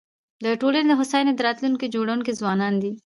د ټولني د هوساینې د راتلونکي جوړونکي ځوانان دي.